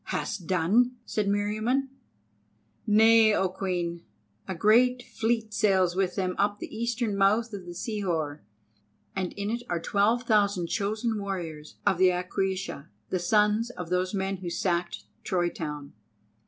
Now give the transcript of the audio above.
"Hast done?" said Meriamun. "Nay, O Queen! A great fleet sails with them up the eastern mouth of Sihor, and in it are twelve thousand chosen warriors of the Aquaiusha, the sons of those men who sacked Troy town."